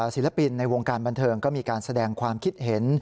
ศิลปินในวงการบันเทิงก็มีการแสดงความคิดเห็น